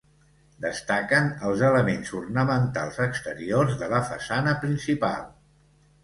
Destaquen els elements ornamentals exteriors de la façana principal.